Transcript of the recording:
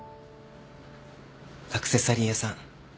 アクセサリー屋さん